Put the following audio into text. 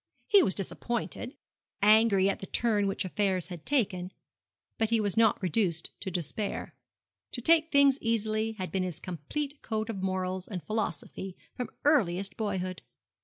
He was disappointed angry at the turn which affairs had taken; but he was not reduced to despair. To take things easily had been his complete code of morals and philosophy from earliest boyhood.